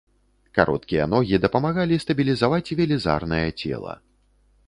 Кароткія ногі дапамагалі стабілізаваць велізарнае цела.